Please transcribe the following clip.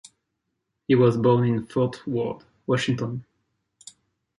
He was born in Fort Ward, Washington.